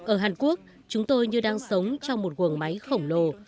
ở hàn quốc chúng tôi như đang sống trong một quần máy khổng lồ